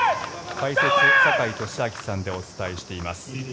解説、坂井利彰さんでお伝えしています。